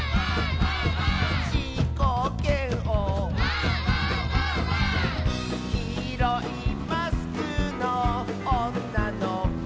「じーこーけんお」「きいろいマスクのおんなのこ」